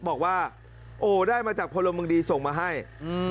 บอกว่าโอ้ได้มาจากพลเมืองดีส่งมาให้อืม